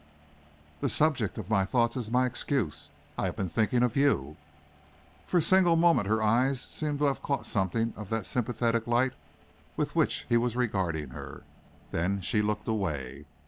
"The subject of my thoughts is my excuse. I have been thinking of you." For a single moment her eyes seemed to have caught something of that sympathetic light with which he was regarding her. Then she looked away.